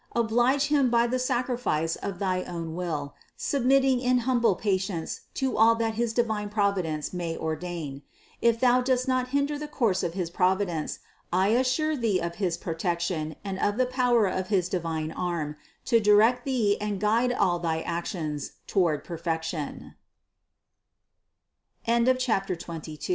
Oblige Him by the sacrifice of thy own will, submitting in humble patience to all that his divine Providence may ordain. If thou dost not hinder the course of his Providence, I assure thee of his protection and of the power of his divine arm to direct thee and guide all